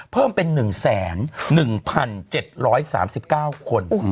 เพิ่มเป็น๑๑๗๓๙คน